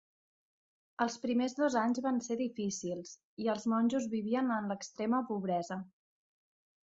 Els primers dos anys van ser difícils, i els monjos vivien en l'extrema pobresa.